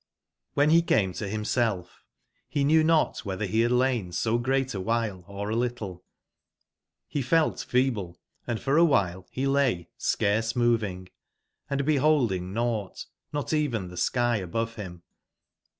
=^r)B]V be came to bimself be knew not > wbetber be bad lain so a great wbile j or a little; be felt feeble, and for a ^ wbile be lay scarce moving, and be bolding nougbt, not even tbc sky a bove bim.